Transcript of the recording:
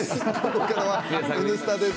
ここからは「Ｎスタ」です。